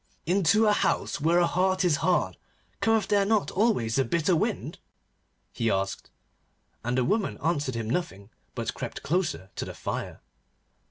'Into a house where a heart is hard cometh there not always a bitter wind?' he asked. And the woman answered him nothing, but crept closer to the fire.